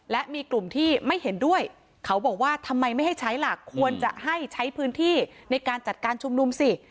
และมีกลุ่มที่ไม่เห็นด้วยเขาบอกว่าทำไมไม่ให้ใช้ล่ะควรจะให้ใช้พื้นที่ในการจัดการชุมนุมสิ